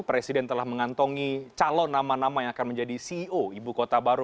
presiden telah mengantongi calon nama nama yang akan menjadi ceo ibu kota baru